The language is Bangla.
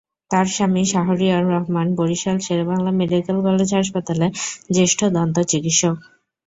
তাঁর স্বামী শাহরিয়ার রহমান বরিশাল শেরেবাংলা মেডিকেল কলেজ হাসপাতালের জ্যেষ্ঠ দন্ত চিকিত্সক।